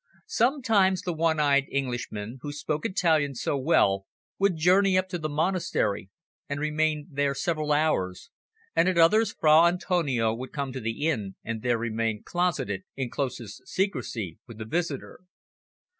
Sometimes the one eyed Englishman who spoke Italian so well would journey up to the monastery and remain there several hours, and at others Fra Antonio would come to the inn and there remain closeted in closest secrecy with the visitor.